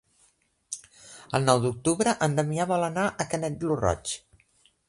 El nou d'octubre en Damià vol anar a Canet lo Roig.